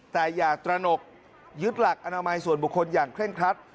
แต่อย่าตระหนกยึดหลักอนามัยส่วนบุคคลอย่างเคร่งครัด